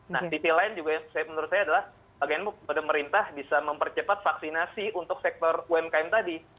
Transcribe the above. nah sisi lain juga menurut saya adalah bagian pemerintah bisa mempercepat vaksinasi untuk sektor umkm tadi